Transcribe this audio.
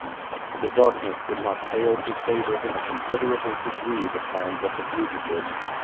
The darkness could not fail to favor in a considerable degree the plans of the fugitives.